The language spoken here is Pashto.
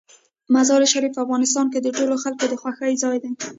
مزارشریف په افغانستان کې د ټولو خلکو د خوښې ځای دی.